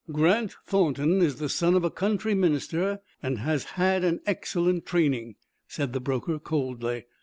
"Grant Thornton is the son of a country minister, and has had an excellent training," said the broker, coldly.